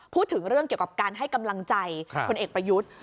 พูดถึงเรื่องเกี่ยวกับการให้กำลังใจคนเอกประยุทธ์